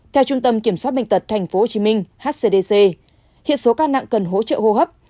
theo trung tâm kiểm soát bệnh tật tp hcm hcdc hiện số ca nặng cần hỗ trợ hô hấp